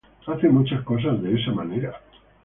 Hace muchas cosas de esa manera".